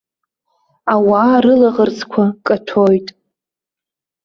Ауаа рылаӷырӡқәа каҭәоит.